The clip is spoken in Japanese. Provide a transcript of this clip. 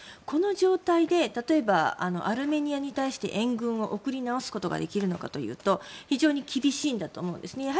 この状態で例えばアルメニアに対して援軍を送り直すことができるのかというと非常に厳しいんだと思うんですね。